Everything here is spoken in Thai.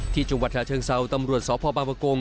ที่จังหวัดชาเชิงเซาตำรวจสพบางประกง